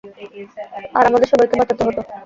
আর আমাদের সবাইকে বাঁচাতে হতো।